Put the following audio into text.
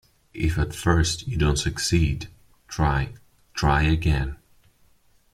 If at first you don't succeed, try, try again.